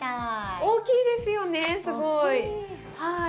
大きいですよねすごい。大きい。